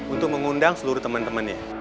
untuk mengundang seluruh teman temannya